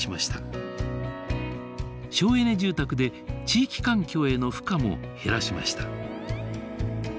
省エネ住宅で地域環境への負荷も減らしました。